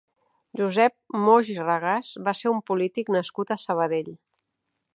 Josep Moix i Regàs va ser un polític nascut a Sabadell.